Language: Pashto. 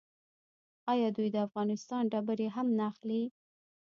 آیا دوی د افغانستان ډبرې هم نه اخلي؟